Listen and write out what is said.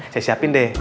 saya siapin deh